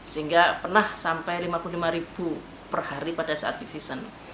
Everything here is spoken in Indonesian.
sehingga pernah sampai lima puluh lima ribu perhari pada saat disiun